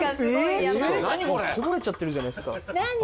こぼれちゃってるじゃないですか。